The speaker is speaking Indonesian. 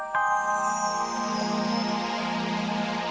ketemu lagi di film